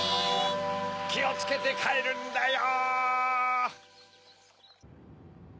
きをつけてかえるんだよ！